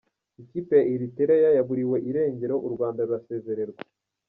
Ikipe ya Eritereya yaburiwe irengero, u Rwanda rurasezererwa